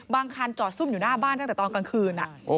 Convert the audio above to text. คันจอดซุ่มอยู่หน้าบ้านตั้งแต่ตอนกลางคืน